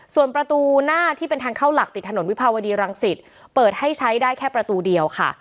ส่วนประตูหน้าที่เป็นทางเข้าหลักติดถนนวิภาวดีรังสิตเปิดให้ใช้ได้แค่ประตูเดียวค่ะ